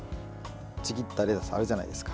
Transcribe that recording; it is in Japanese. ちぎったレタスあるじゃないですか。